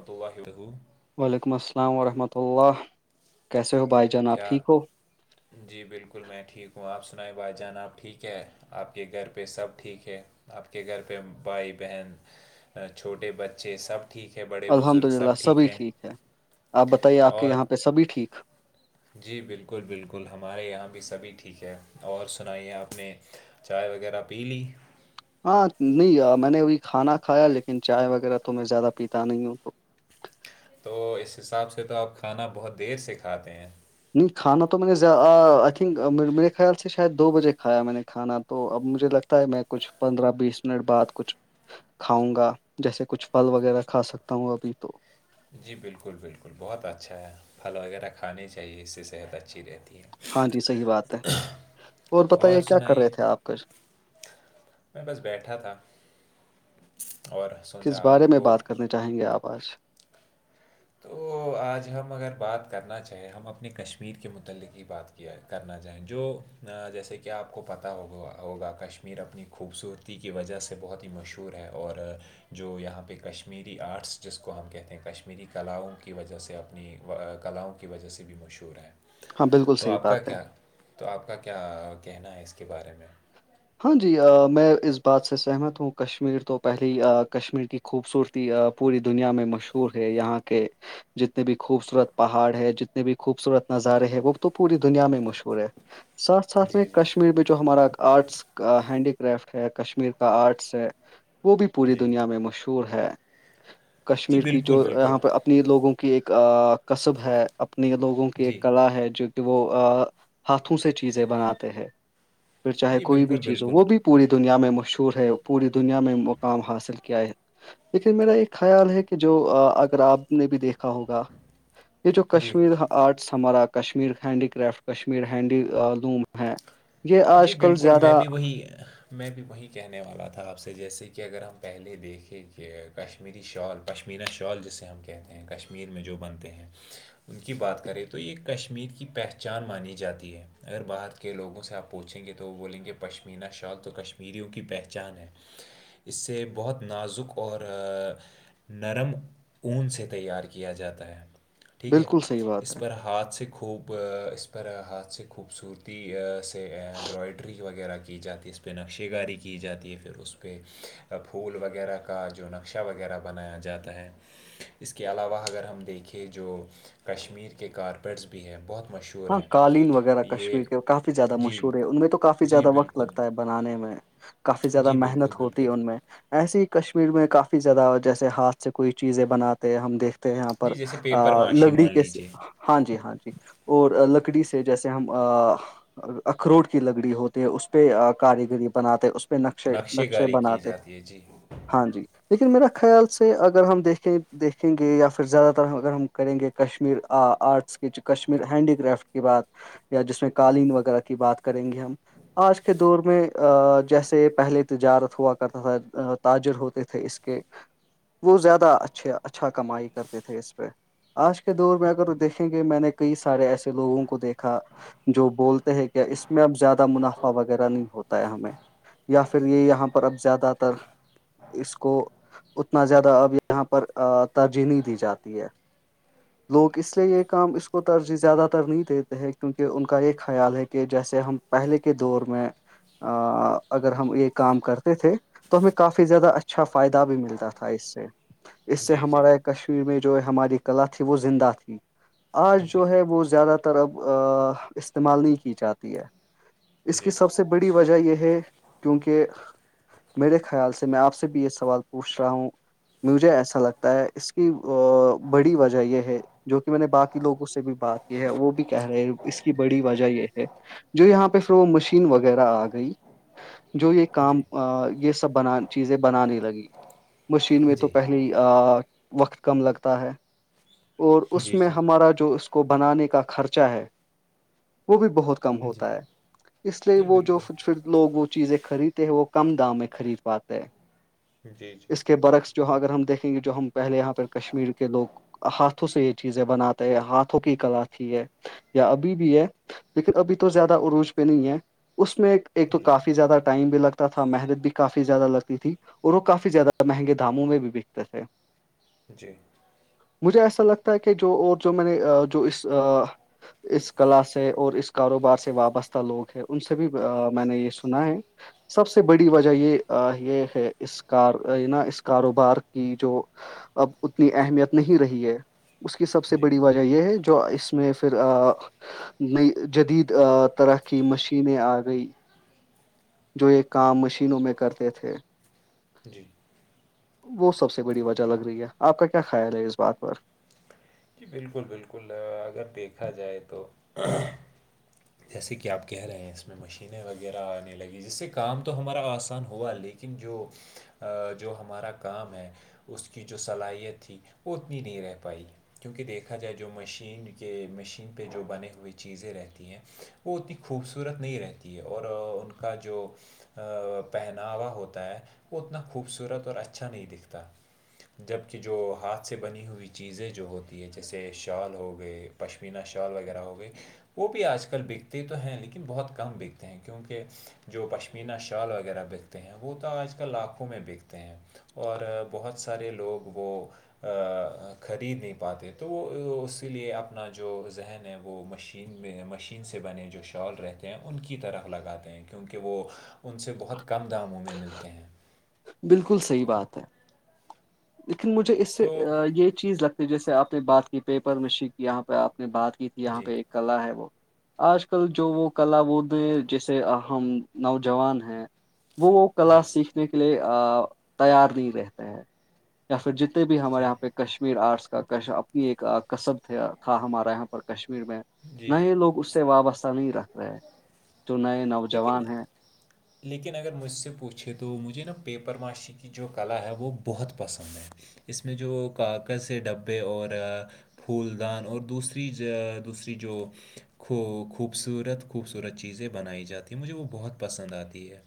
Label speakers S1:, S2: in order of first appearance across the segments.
S1: اتو وہا ہڑ گو
S2: وعلیکم السلام ورحمۃ اللہ کیسے ہو بائیک
S1: کیا [unintelligible] جی بالکل میں ٹھیک ہوں آپ سنیں بھائی جان آپ ٹھیک ہے آپ کے گھر پہ سب ٹھیک ہے آپ کے گھر پہ بھائی بہن چھوٹے بچے سب ٹھیک ہے بڑے
S2: الحمد
S1: بزرگ
S2: للہ
S1: سب ٹھیک
S2: سبھی
S1: ہے
S2: آپ بتائیے آپ کے
S1: اور
S2: یہاں پہ سبھی ٹھیک
S1: جی بالکل بالکل ہمارے یہاں بھی سبھی ٹھیک ہے اور سنائیے آپ نے چائے وغیرہ پی لی
S2: ہاں نہیں میں نے ای کھانا کھایا لیکن چائے وغیرہ تو میں زیادہ پیتا نہیں ہوں تو
S1: تو اس حساب سے تو آپ کھانا بہت دیر سے کھاتے ہیں
S2: نہیں کھانا تو میں نے آئی تھنک میرے خیال سے شاید دو بجے کھایا میں نے کھانا تو اب مجھے لگتا ہے میں کچھ پندرہ بیس منٹ بعد کچھ کھاؤں گا جیسے کچھ پھل وغیرہ کھا سکتا ہوں ابھی تو
S1: جی بالکل بالکل بہت اچھا ہے پھل وغیرہ کھانے چاہیے اس سے صحت اچھی رہتی ہے
S2: ہاں جی صحیح بات ہے اور بتائیے کیا کر رہے تھے آپ کچھ
S1: میں بس بیٹھا تھا اور سوچا
S2: کس بارے
S1: آپ
S2: میں
S1: کو
S2: بات کرنی چاہیں گے آپ آج
S1: تو آج ہم اگر بات کرنا چاہیں ہم اپنے کشمیر کے متعلق ہی بات کر کیا کرنا چاہیں جو جیسے کہ آپ کو پتہ ہوگ ہوگا کشمیر اپنی خوبصورتی کی وجہ سے بہت ہی مشہور ہے اور جو یہاں پہ کشمیری آرٹس جس کو ہم کہتے ہیں کشمیری کلاؤں کی وجہ سے اپنی کلاؤں کی وجہ سے بھی مشہور ہے
S2: ہاں بالکل
S1: تو
S2: صحیح
S1: آپ کا
S2: بات ہے
S1: کیا تو آپ کا کیا کہنا ہے اس کے بارے میں
S2: ہاں جی میں اس بات سے سہمت ہوں کشمیر تو پہلے ہی کشمیر کی خوبصورتی پوری دنیا میں مشہور ہے یہاں کے جتنے بھی خوبصورت پہاڑ ہے جتنے بھی خوبصورت نظارے ہیں وہ تو پوری دنیا میں مشہور ہے ساتھ ساتھ میں
S1: جی جی
S2: کشمیر میں جو ہمارا آرٹس ہینڈی کرافٹ ہے کشمیر کا آرٹس ہے وہ بھی پوری
S1: جی
S2: دنیا میں مشہور ہے
S1: جی
S2: کشمیر کی جو
S1: بالکل بالکل
S2: یہاں پہ اپنی لوگوں کی ایک کصب ہے اپنے لوگوں کی ایک
S1: جی
S2: کلا ہے جو کہ وہ ہاتھوں سے چیزیں بناتے ہیں پھر چاہے
S1: جی
S2: کوئی بھی
S1: بالکل
S2: چیز ہو
S1: بالکل
S2: وہ پوری دنیا میں مشہور ہے پوری دنیا میں مقام حاصل کیا ہے لیکن میرا ایک خیال ہے کہ جو اگر آپ نے بھی دیکھا ہوگا یہ جو
S1: جی
S2: کشمیر آرٹس ہمارا Kashmir handicraft Kashmir handloom ہیں یہ آج کل زیادہ
S1: یہ میں بھی وہیں کہنے والا تھا آپ سے جیسے کہ اگر ہم پہلے دیکھیں کہ کشمیری شال پشمینہ شال جسے ہم کہتے ہیں کشمیر میں جو بنتے ہیں ان کی بات کریں تو یہ کشمیر کی پہچان مانی جاتی ہے اگر بات کے لوگوں سے آپ پوچھیں گے تو وہ بولیں گے پشمینہ شال تو کشمیریوں کی پہچان ہے اس سے بہت نازک اور نرم اون سے تیار کیا جاتا ہے ٹھیک ہے
S2: بالکل صحیح بات ہے
S1: اس پر ہاتھ سے خوب اس پر ہاتھ سے خوبصورتی سے امبرائڈری وغیرہ کی جاتی ہے اس پہ نقشے گاری کی جاتی ہے پھر اس پہ پھول وغیرہ کا جو نقشہ وغیرہ بنایا جاتا ہے اس کے علاوہ اگر ہم دیکھیں جو کشمیر کے کارپیٹس بھی ہیں بہت مشہور
S2: ہاں
S1: ہیں
S2: قالین وغیرہ
S1: یہ
S2: کشمیر کے کافی کافی زیادہ
S1: جی
S2: مشہور ہے ان میں تو کافی
S1: جی
S2: زیادہ وقت
S1: بالکل
S2: لگتا ہے بنانے میں کافی زیادہ
S1: جی بالکل
S2: محنت ہوتی ہے
S1: بالکل
S2: ان میں ایسے ہی کشمیر میں کافی زیادہ جیسے ہاتھ سے کوئی چیزیں بناتے ہیں ہم دیکھتے یہاں پر
S1: جی جیسے پیپر معاشی
S2: لگڑی
S1: مان
S2: کے
S1: لیجیے
S2: ہاں جی ہاں جی اور لکڑی سے جیسے ہم اخروٹ کی لگڑی ہوتی ہے اس پہ کاریگری بناتے ہیں پہ نقشے نقشے
S1: کاری کی
S2: بناتے
S1: جاتی ہے جی
S2: ہاں جی لیکن میرا خیال سے اگر ہم دیکھیں دیکھیں گے یا پھر زیادہ تر اگر ہم کریں گے کشمیر آرٹس کی کشمیر ہینڈی کرافٹ کی بات یا جس میں قالین وغیرہ کی بات کریں گے ہم آج کے دور میں جیسے پہلے تجارت ہوا کرتا تھا تاجر ہوتے تھے اس کے وہ زیادہ اچھے اچھا کمائی کرتے تھے اس پہ آج کے دور میں اگر دیکھیں گے میں نے کئی سارے ایسے لوگوں کو دیکھا جو بولتے ہیں کیا اس میں اب زیادہ منافع وغیرہ نہیں ہوتا ہے ہمیں یا پھر یہ یہاں پر اب زیادہ تر اس کو اتنا زیادہ اب یہاں پر ترجیحی دی جاتی ہے لوگ اس لیے یہ کام اس کو ترجیح زیادہ تر نہیں دیتے ہیں کیونکہ ان کا یہ خیال ہے کہ جیسے ہم پہلے کے دور میں اگر ہم یہ کام کرتے تھے تو ہمیں کافی زیادہ اچھا فائدہ بھی ملتا تھا اس سے اس سے
S1: جی جی
S2: ہمارے کشمیر میں جو ہماری کلا تھی وہ زندہ تھی آج
S1: جی
S2: جو ہے وہ زیادہ تر اب استعمال نہیں کی جاتی ہے اس کی
S1: جی
S2: سب سے بڑی وجہ یہ ہے کیونکہ میرے خیال سے میں آپ سے بھی یہ سوال پوچھ رہا ہوں مجھے ایسا لگتا ہے اس کی بڑی وجہ یہ جو کہ میں نے باقی لوگوں سے بھی بات کی ہے وہ بھی کہہ رہے ہیں اس کی بڑی وجہ یہ ہے جو یہاں پہ پھر وہ مشین وغیرہ آ گئی جو یہ
S1: جی
S2: کام یہ سب بنا چیزیں بنانے لگی مشین میں تو
S1: جی
S2: پہلے وقت کم لگتا ہے اور اس
S1: جی
S2: میں
S1: جی
S2: ہمارا جو اس کو بنانے کا خرچہ ہے وہ بھی بہت کم
S1: جی
S2: ہوتا ہے اس لیے
S1: جی
S2: وہ جو
S1: بالکل
S2: پھر لوگ وہ چیزیں خریدتے ہیں وہ کم دام میں خرید پاتے ہیں
S1: جی جی
S2: اس کے
S1: جی
S2: برعکس جواں اگر ہم دیکھیں گے جو ہم پہلے یہاں پر کشمیر کے لوگ ہاتھوں سے یہ چیزیں بناتے ہیں ہاتھوں کی کلا تھی ہے یا ابھی بھی ہے لیکن ابھی تو زیادہ عروج پہ نہیں ہے اس میں ایک ایک تو کافی زیادہ ٹائم بھی لگتا ہے تھا محنت بھی کافی زیادہ لگتی تھی اور وہ کافی زیادہ مہنگے دھاموں میں بھی بکتے تھے
S1: جی
S2: مجھے ایسا لگتا ہے کہ جو اور جو میں نے جو اس اس کلا سے اور اس کاروبار سے وابستہ لوگ ہیں ان سے بھی میں نے یہ سنا ہے سب سے بڑی وجہ یہ یہ ہے اس کار نا اس کاروبار کی جو اب اتنی اہمیت نہیں رہی ہے اس کی سب سے
S1: جی
S2: بڑی وجہ یہ ہے جو اس میں پھر نئی جدید طرح کی مشینیں آ گئی جو یہ کام مشینوں میں کرتے تھے
S1: جی
S2: وہ سب سے بڑی وجہ لگ رہی ہے آپ کا کیا خیال ہے اس بات پر
S1: جی بالکل بالکل اگر دیکھا جائے تو جیسے کہ آپ کہہ رہے ہیں اس میں مشینیں وغیرہ آنے لگیں جس سے کام تو ہمارا آسان ہوا لیکن لیکن جو جو ہمارا کام ہے اس کی جو صلاحیت تھی وہ اتنی نہیں رہ پائی کیونکہ دیکھا جائے جو مشین کے مشین پہ جو بنے ہوئے چیزیں رہتی ہیں وہ اتنی خوبصورت نہیں رہتی ہے اور ان کا جو پہناوا ہوتا ہے وہ اتنا خوبصورت اور اچھا نہیں دکھتا جب کہ جو ہاتھ سے بنی ہوئی چیزیں جو ہوتی ہے جیسے شال ہو گئے پشمینا شال وغیرہ ہو گئی وہ بھی آج کل آ کل بیکتے تو ہیں لیکن بہت کم بیکتے ہیں کیونکہ جو پشمینہ شال وغیرہ بکتے ہیں وہ تو آج کل لاکھوں میں بکتے ہیں اور بہت سارے لوگ وہ خرید نہیں پاتے تو وہ اسی لیئے اپنا جو ذہن ہے وہ مشین مشین میں مشین سے بنے جو شال رہتے ہیں ان کی طرح لگاتے ہیں کیونکہ وہ ان سے بہت کم داموں میں ملتے ہیں
S2: بالکل صحیح بات ہے لیکن مجھے اس سے
S1: تو
S2: یہ چیز لگتا جیسے آپ نے بات کی پیپر میں شیک یہاں پہ آپ نے بات کی تھی یہاں
S1: جی
S2: پہ ایک کلا ہے وہ آج کل جو وہ کلا بود جیسے ہم نوجوان ہیں وہ کلا
S1: جی
S2: سیکھنے کے لیے تیار نہیں رہتے ہیں یا پھر جتنے بھی
S1: ٹھیک
S2: ہمارے
S1: ہے
S2: یہاں پہ کشمیر آرٹس کا اپنی ایک کصب تھا ہمارا یہاں پر کشمیر میں
S1: جی
S2: نئے لوگ اس سے وابستہ نہیں رکھ رہے جو نئے نوج
S1: لیکن
S2: [inaudible]
S1: لیکن اگر مجھ سے پوچھے تو مجھے نا پیپر معاشی کی جو کلا ہے وہ بہت پسند ہے اس میں جو کاکز سے ڈبے اور پھول دان اور دوسری جو دوسری جو کو خوبصورت خوبصورت چیزیں بنائی جاتی ہیں مجھے وہ بہت پسند آتی ہے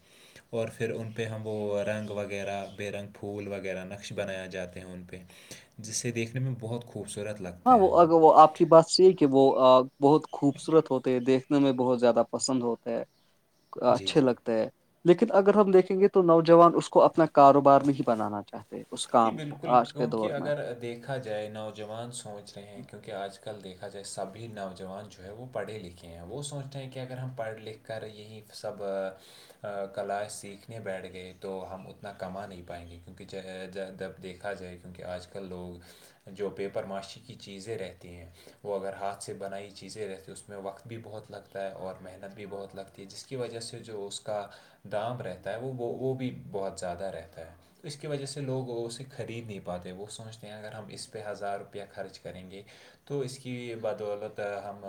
S1: اور پھر ان پہ ہم وہ رنگ وغیرہ بے رنگ پھول وغیرہ نقش بنائے جاتے ہیں ان پہ جسے دیکھنے میں بہت خوبصورت لگتا
S2: ہاں وہ اگر آپ کے کی بات سی یہ کہ وہ بہت خوبصورت ہوتے ہے دیکھنے میں بہت زیادہ پسند ہوتا ہے [inaudible]
S1: جی
S2: اچھے
S1: جی
S2: لگتے ہے لیکن اگر ہم دیکھیں گے تو نوجوان اس کو اپنا کاروبار نہیں بنانا چاہتے اس
S1: جی
S2: کام کو
S1: بالکل
S2: آج کے دور
S1: کیونکہ
S2: میں
S1: اگر دیکھا جائے نوجوان سوچ رہے ہیں کیونکہ آج کل دیکھ جائے سھی نوجوان جو ہے وہ پڑھے لکھے ہیں وہ سوچتے ہیں کہ اگر ہم پڑھ لکھ کے کر یہی سب کلا سیکھنے بیٹھ گئے تو ہم اتنا کما نہیں پائیں گے کیونکہ دب دیکھا جائے کیونکہ آج کل لوگ جو پیپر معاشی کی چیزیں رہتی ہیں وہ اگر ہاتھ سے بنائی چیزیں رہتی اس میں وقت بھی بہت لگتا ہے اور محنت بھی بہت لگتا ہے تھی جس کی وجہ سے جو اس کا دام رہتا ہے وہ وہ بھی بہت زیادہ رہتا ہے تو اس کی وجہ سے سے لوگ اسے خرید نہیں پاتے وہ سوچتے ہیں اگر ہم اس پہ ہزار روپیہ خرچ کریں گے تو اس کی بدولت ہم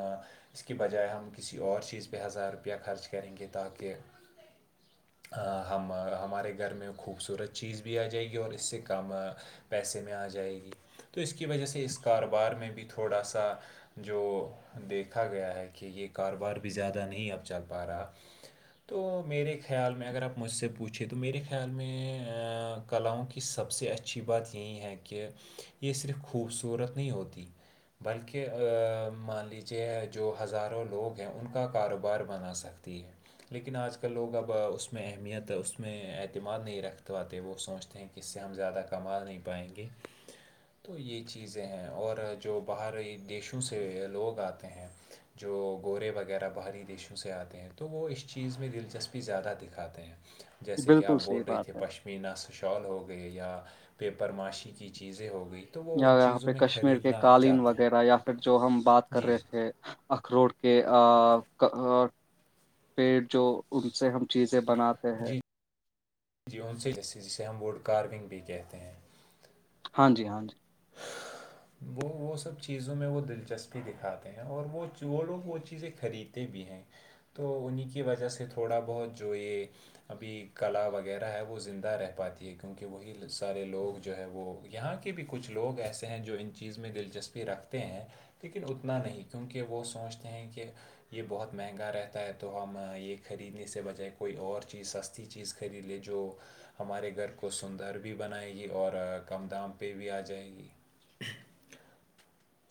S1: اس کی بجائے ہم کسی اور چیز پہ ہزار روپیہ خرچ کریں گے تاکہ ہم ہمارے گھر میں خوبصورت چیز بھی آ جائے گی کہ اور اس سے کم پیسے میں آ جائے گی تو اس کی وجہ سے اس کاروبار میں بھی تھوڑا سا جو دیکھا گیا ہے کہ یہ کاروبار بھی زیادہ نہیں اب چل پا رہا تو میرے خیال میں اگر آپ مجھ سے پوچھیں تو میرے خیال میں کلاؤں کی سب سے اچھی بات یہی ہے کہ یہ صرف خوبصورت نہیں ہوتی بلکہ مان لیجیے جو ہزاروں لوگ ہیں ان کا کاروبار بنا سک تی ہے [unintelligible] لیکن آج کل لوگ اب اس میں اہمیت اس میں اعتماد نہیں رکھ پاتے وہ سوچ کہ اس سے ہم زیادہ کما نہیں پائیں گے تو یہ چیزیں ہیں اور جو باہر دیشوں سے لوگ آتے ہیں جو گورے وغیرہ باہری دیشوں سے آتے ہیں تو وہ اس چیز میں دلچسپی زیادہ دکھاتے ہیں
S2: ہ [unintelligible]
S1: جیسے کہ آپ بول رہے تھے پشم مینا سشال ہو گئے یا پیپر ماشی کی چیزیں ہو گئی تو وہ
S2: یا
S1: ان
S2: یہاں
S1: چیزوں
S2: پہ
S1: میں
S2: کشمیر کے
S1: خریدنا
S2: قالین
S1: چاہتے ہیں
S2: وغیرہ یا پھر جو ہم بات کر
S1: جی
S2: رہے تھے اخروٹ کہ پیٹ جو ان سے ہم چیزیں بناتے ہیں
S1: جیون سے جسے ہم ووڈ کارونگ بھی کہتے ہیں
S2: ہاں جی ہاں جی
S1: وہ وہ سب چیزوں میں وہ دلچسپی دکھاتے ہیں اور وہ وہ لوگ وہ چیزیں خریدتے بھی ہیں تو انہیں کی وجہ سے تھوڑا بہت جو یہ ابھی کلا وغیرہ ہے وہ زندہ رہ پاتی ہے کیونکہ وہی سارے لوگ جو ہے وہ یہاں کے بھی کچھ لوگ ایسے ہیں جو ان چیز میں دلچسپی رکھتے ہیں لیکن اتنا نہیں کیونکہ وہ سوچتے ہیں کہ یہ بہت مہنگا رہتا ہے تو ہم یہ خریدنے سے بجائے کوئی اور چیز سستا اھی چیز خرید لے جو ہمارے گھر کو سندر بھی بنائے گی اور کم دام پہ بھی آ جائے گی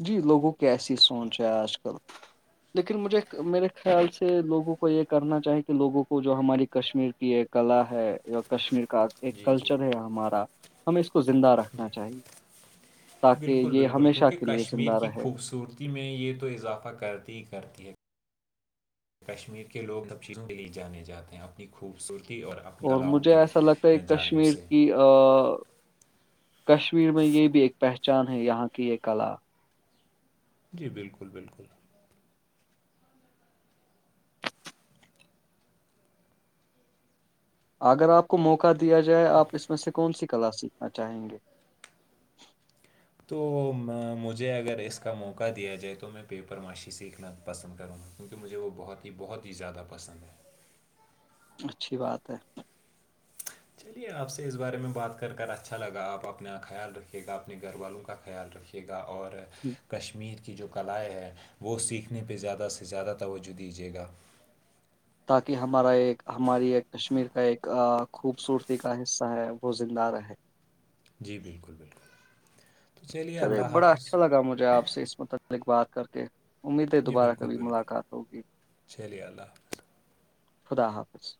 S2: جی لوگوں کی ایسی سوچ ہے آج کل لیکن مجھے میرے خیال سے لوگوں کو یہ کرنا چاہی کہ لوگوں کو جو ہماری کشمیر کی یہ کلا ہے جو کشمیر کا ایک
S1: جی جی
S2: کلچر ہے ہمارا ہمیں اس کو زندہ
S1: جی
S2: رکھنا چاہیے تاکہ
S1: بالکل
S2: یہ
S1: بالکل
S2: ہمیشہ
S1: کیونکہ
S2: کے لیے
S1: کشمیر
S2: زندہ
S1: کی
S2: رہے
S1: خوبصورتی میں یہ تو اضافہ کرتی ہی کرتی ہے کشمیر کے لوگ نب چیزوں کے لیے جانے جاتے ہیں اپنی خوبصورتی اور اپنی
S2: اور
S1: کلاؤں
S2: مجھے
S1: کے
S2: ایسا لگتا ہے
S1: جانب
S2: کشمیر
S1: سے
S2: کی ا کشمیر میں یہ بھی ایک پہچان ہے یہاں کی یہ کلا
S1: جی بالکل بالکل
S2: اگر آپ کو موقع دیا جائے آپ اس میں سے کون سی کلا سیکھنا چاہیں گے
S1: تو مجھے اگر اس کا موقع دیا جائے تو میں پیپر معاشی سیکھنا پسند کروں گا کیونکہ مجھے وہ بہت ہی بہت ہی زیادہ پسند ہے
S2: اچھی بات ہے
S1: چلیے آپ سے اس بارے میں بات کر کر اچھا لگا آپ اپنا خیال رکھیے گا اپنے گھر والوں کا خیال رکھیےا ے گا اور کشمیر کی جو کلائیں ہے وہ سیکھنے پہ زیادہ سے زیادہ توجہ دیجیے گا
S2: تاکہ ہمارا ایک ہماری ایک کشمیر کا ایک خوبصورتی کا حصہ ہے وہ زندہ رہے
S1: جی بالکل بالکل تو چلیے
S2: چلے
S1: اللہ
S2: بڑا
S1: حافظ
S2: اچھا لگا مجھے آپ سے اس متعلق بات کر کے امید ہے
S1: جی
S2: دوبارہ
S1: بالکل
S2: کبھی
S1: بالکل
S2: ملاقات ہوگی
S1: چلیے اللہ حافظ
S2: خدا حافظ